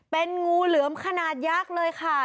เป็นงูเหลือมขนาดยักษ์เลยค่ะ